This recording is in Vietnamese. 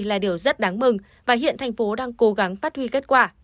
đây là điều rất đáng mừng và hiện tp hcm đang cố gắng phát huy kết quả